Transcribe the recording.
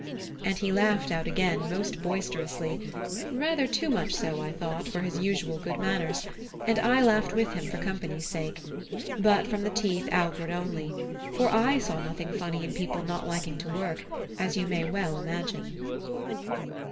And he laughed out again most boisterously; rather too much so, I thought, for his usual good manners; and I laughed with him for company's sake, but from the teeth outward only; for I saw nothing funny in people not liking to work, as you may well imagine.